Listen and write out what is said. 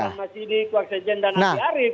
prasanna siddiq waksajen dan andi arief